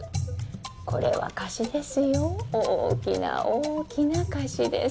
これは貸しですよ大きな大きな貸しです